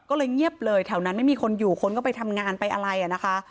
ก็เลยเงียบเลยแถวนั้นไม่มีคนอยู่คนก็ไปทำงานไปอะไรอ่ะนะคะ